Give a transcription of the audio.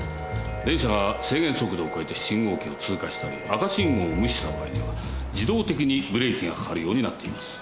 電車が制限速度を超えて信号機を通過したり赤信号を無視した場合には自動的にブレーキがかかるようになっています。